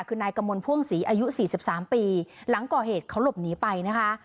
คือนายกมลพ่วงศรีอายุ๔๓ปีหลังก่อเหตุเขาหลบหนีไปนะคะ